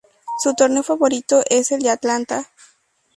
Su torneo favorito es el de Atlanta.